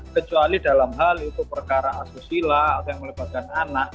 kecuali dalam hal itu perkara asusila atau yang melebatkan anak